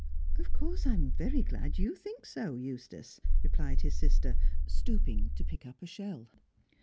"Of course I'm very glad you think so, Eustace," replied his sister, stooping to pick up a shell.